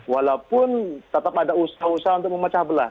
walaupun tetap ada usaha usaha untuk memecah belah